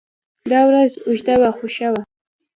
دا ورځ اوږده وه خو ښه وه.